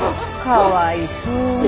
かわいそうに。